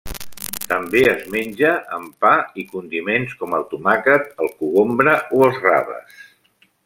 També es menja amb pa i condiments com el tomàquet, el cogombre o els raves.